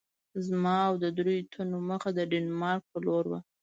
زما او د دریو تنو مخه د ډنمارک په لور وه.